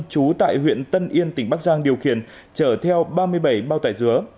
trú tại huyện tân yên tỉnh bắc giang điều khiển chở theo ba mươi bảy bao tải dứa